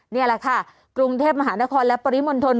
นี่แหละค่ะกรุงเทพมหานครและปริมณฑล